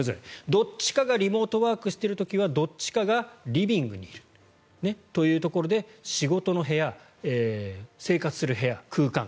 どっちかがリモートワークしている時はどっちかがリビングにいるというところで仕事の部屋生活する部屋、空間。